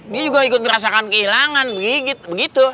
dia juga ikut merasakan kehilangan gigit begitu